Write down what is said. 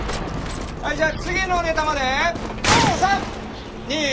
はいじゃあ次のネタまでぇ３２。